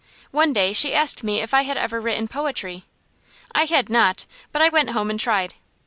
One day she asked me if I had ever written poetry. I had not, but I went home and tried.